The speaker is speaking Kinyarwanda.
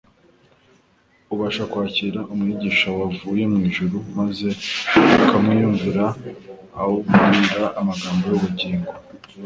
ubasha kwakira Umwigisha wavuye mu ijuru maze ukamwiyumvira awubwira amagambo y'ubugingo.